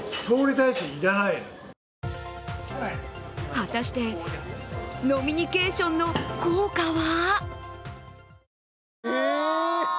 果たして飲みニケーションの効果は？